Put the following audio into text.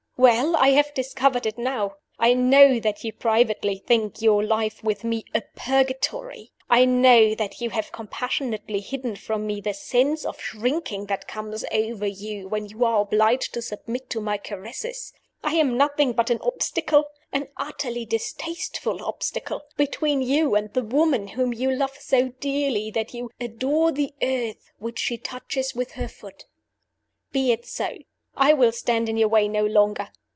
"Well, I have discovered it now. I know that you privately think your life with me 'a purgatory.' I know that you have compassionately hidden from me the 'sense of shrinking that comes over you when you are obliged to submit to my caresses.' I am nothing but an obstacle an 'utterly distasteful' obstacle between you and the woman whom you love so dearly that you 'adore the earth which she touches with her foot.' Be it so! I will stand in your way no longer.